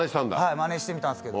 マネしてみたんですけど。